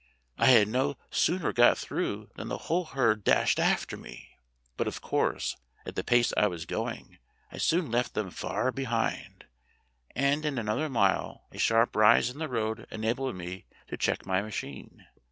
I had no sooner got through than the whole herd dashed after me. But, of course, at the pace I was going I soon left them far behind, and in another mile a sharp rise in the road enabled me to check my machine.